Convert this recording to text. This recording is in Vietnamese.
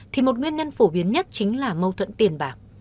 thì một nguyên nhân phổ biến nhất chính là mâu thuẫn tiền bạc